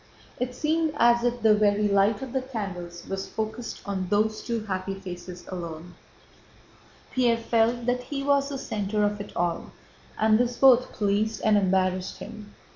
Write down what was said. It seemed as if the very light of the candles was focused on those two happy faces alone. Pierre felt that he was the center of it all, and this both pleased and embarrassed him.